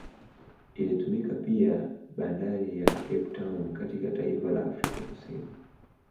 Ilitumika pia Bnadari ya Cape Town katika taifa la Afrika Kusini